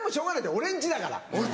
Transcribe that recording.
俺ん家だから。